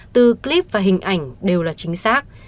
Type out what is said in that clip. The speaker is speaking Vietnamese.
từ clip và hình ảnh đều là chính xác